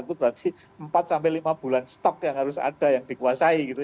itu berarti empat sampai lima bulan stok yang harus ada yang dikuasai gitu